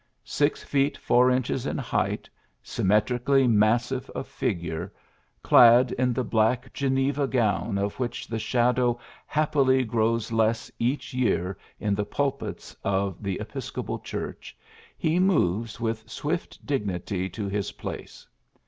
Six feet four inches in height, symmetrically massive of fig ure, clad in the black Geneva gown, of which the shadow happily grows less each year in the pulpits of the Episcopal church, he moves with swift dignity to his place.